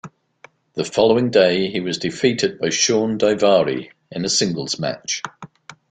The following day he was defeated by Shawn Daivari in a singles match.